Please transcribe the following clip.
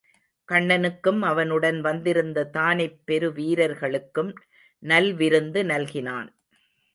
கண்ணனுக்கும் அவனுடன் வந்திருந்த தானைப் பெருவீரர்களுக்கும் நல்விருந்து நல்கினான்.